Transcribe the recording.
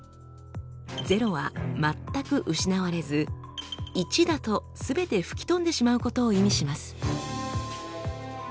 「０」は全く失われず「１」だとすべて吹き飛んでしまうことを意味します。